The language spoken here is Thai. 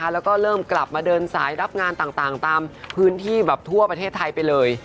แล้วก็เริ่มกลับมาเดินสายรับงานต่างตามพื้นที่แบบทั่วประเทศไทยไปเลย